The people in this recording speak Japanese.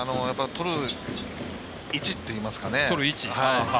とる位置っていいますか。